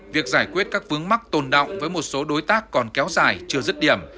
việc giải quyết các vướng mắc tồn động với một số đối tác còn kéo dài chưa dứt điểm